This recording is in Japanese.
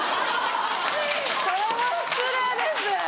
それは失礼です